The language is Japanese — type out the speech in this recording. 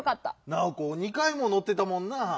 ナオコ２かいものってたもんなぁ。